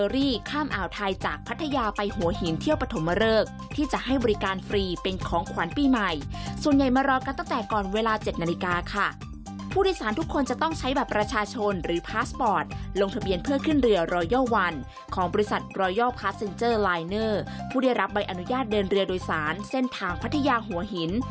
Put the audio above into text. รอยัลปลาซนเจอร์ลายเนอร์พูดเรียรับใบอนุญาตเดินเรือโดยศาลเส้นพางพัทยาหัวหิน